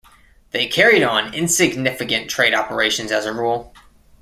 They carried on insignificant trade operations as a rule.